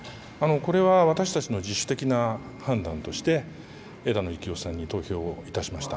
これは私たちの自主的な判断として、枝野幸男さんに投票をいたしました。